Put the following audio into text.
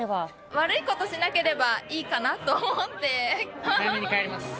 悪いことしなければいいかな早めに帰ります、